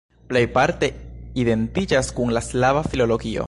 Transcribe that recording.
Plejparte identiĝas kun la slava filologio.